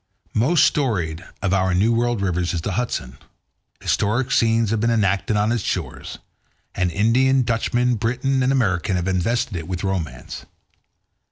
Most storied of our New World rivers is the Hudson. Historic scenes have been enacted on its shores, and Indian, Dutchman, Briton, and American have invested it with romance.